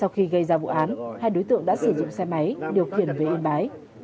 khi ra vụ án hai đối tượng đã sử dụng xe máy điều khiển về in bái